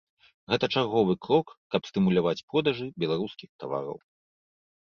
Гэта чарговы крок, каб стымуляваць продажы беларускіх тавараў.